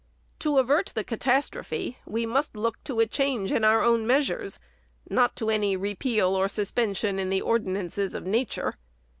To avert the catastrophe, we must look to a change in our own measures, not to any repeal or suspension of the ordinances of Nature.